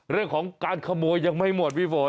เรื่องของการขโมยยังไม่หมดพี่ฝน